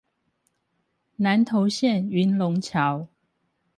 南投縣雲龍橋